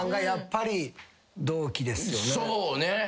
やっぱり同期ですよね。